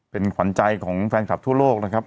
เป็นขวัญใจของแฟนคลับทั่วโลกนะครับ